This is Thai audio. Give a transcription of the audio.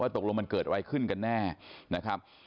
ว่าถ้ว่ามันเกิดไว้ขึ้นกันแน่นะครับ